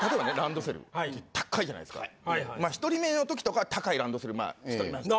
まあ１人目の時とかは高いランドセル１人目やし。